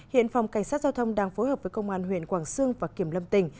hiện phòng cảnh sát giao thông đang phối hợp với công an huyện quảng sương và kiểm lâm tỉnh